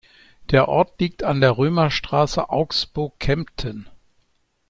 Der Ort liegt an der Römerstraße Augsburg-Kempten.